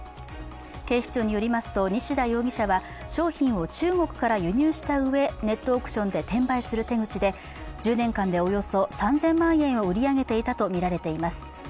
警視庁によりますと、西田容疑者は商品を中国から輸入したうえネットオークションで転売する手口で１０年間でおよそ３０００万円を売り上げていたとみられています。